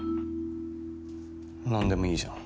なんでもいいじゃん